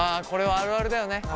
あるあるだよ。